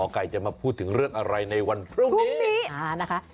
ว่าหมอไก่จะมาพูดถึงเรื่องอะไรในวันพรุ่งนี้พรุ่งนี้